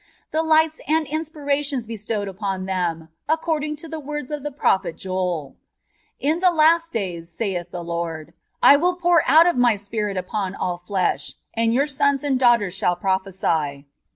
The lights and inspirations bestowed upon them, according to the words of the prophet Joel, —" In the last days, saith the Lord, I will pour out of My Spirit upon ali flesh, and your sons and your daugh ters shall prophesy ;•